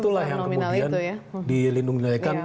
itulah yang kemudian dilindungi laikan